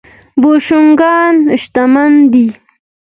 بوشونګان شتمن دي.